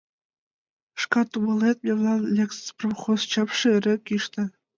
Шкат умылет, мемнан леспромхозын чапше эре кӱшнӧ.